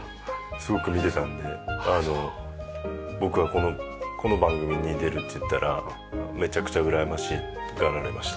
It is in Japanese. すごく見てたので僕がこの番組に出るって言ったらめちゃくちゃうらやましがられました。